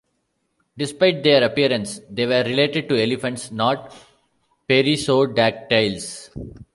Despite their appearance, they were related to elephants, not perissodactyls.